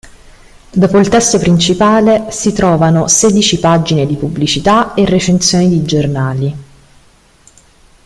Dopo il testo principale, si trovano sedici pagine di pubblicità e recensioni di giornali.